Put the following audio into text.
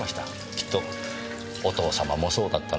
きっとお父様もそうだったのでしょう。